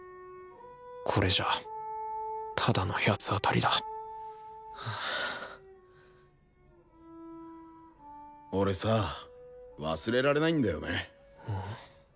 これじゃあただの八つ当たりだ俺さぁ忘れられないんだよね。